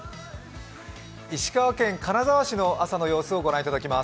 石川県金沢市の朝の様子を御覧いただきます。